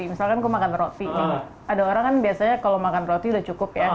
misalkan gue makan roti nih ada orang kan biasanya kalau makan roti sudah cukup ya